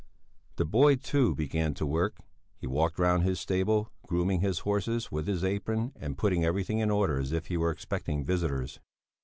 The boy, too, began to work. He walked round his stable, grooming his horses with his apron and putting everything in order as if he were expecting visitors.